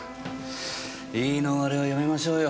言い逃れはやめましょうよ。